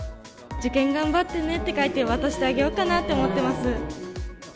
受験頑張ってねって書いて、渡してあげようかなって思ってます。